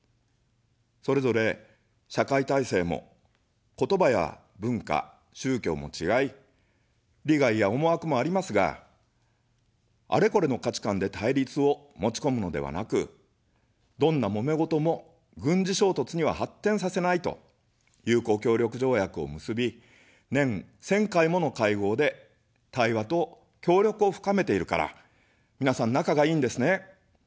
それぞれ社会体制も、言葉や文化、宗教も違い、利害や思惑もありますが、あれこれの価値観で対立を持ちこむのではなく、どんなもめごとも軍事衝突には発展させないと友好協力条約を結び、年１０００回もの会合で対話と協力を深めているから、みなさん仲がいいんですね。